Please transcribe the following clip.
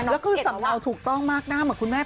แล้วคือสำเนาถูกต้องมากหน้าเหมือนคุณแม่